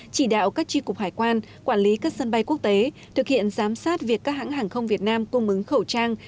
chỉ đạo các tri cục hải quan quản lý các sân bay quốc tế thực hiện giám sát việc các hãng hàng không việt nam cung ứng khẩu trang